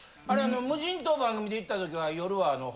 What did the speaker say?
無人島番組で行った時は夜は。